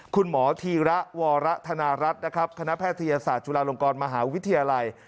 คุณหมอธีระวรธนารัฐนะครับคณะแพทยศาสตร์จุฬาลงกรมหาวิทยาลัย